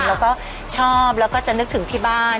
เราก็ชอบแล้วก็จะนึกถึงที่บ้าน